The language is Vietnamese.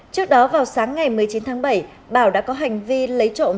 trước đó vào sáng ngày một mươi chín tháng bảy bảo đã có hành vi lấy trộm